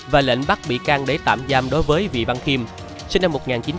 và lệnh bắt bị can để tạm giam đối với vị văn kim sinh năm một nghìn chín trăm tám mươi